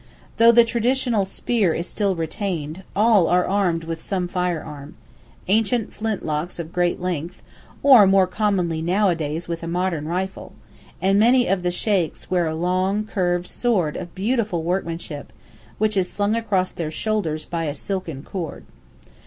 Though the traditional spear is still retained, all are armed with some firearm ancient flint locks of great length, or more commonly nowadays with a modern rifle, and many of the sheykhs wear a long, curved sword of beautiful workmanship, which is slung across their shoulders by a silken cord.